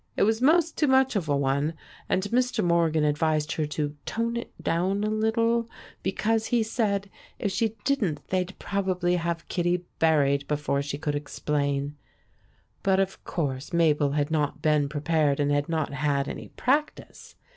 It was 'most too much of a one, and Mr. Morgan advised her to "tone it down a little," because, he said, if she didn't they'd probably have Kittie buried before she could explain. But of course Mabel had not been prepared and had not had any practice.